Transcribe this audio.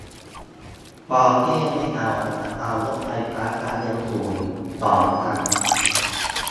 ปอร์เช่ไม่เอา จะเอารถไฟความเร็วสูง ขอตัน